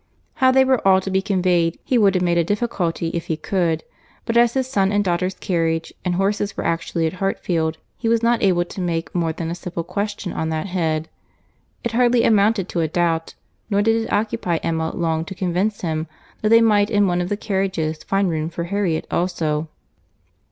How they were all to be conveyed, he would have made a difficulty if he could, but as his son and daughter's carriage and horses were actually at Hartfield, he was not able to make more than a simple question on that head; it hardly amounted to a doubt; nor did it occupy Emma long to convince him that they might in one of the carriages find room for Harriet also.